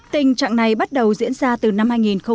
tình trạng này bắt đầu diễn ra từ năm hai nghìn một mươi tám